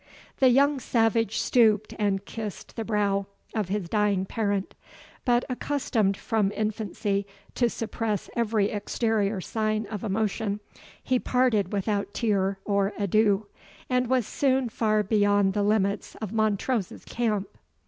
The young savage stooped, and kissed the brow of his dying parent; but accustomed from infancy to suppress every exterior sign of emotion, he parted without tear or adieu, and was soon far beyond the limits of Montrose's camp.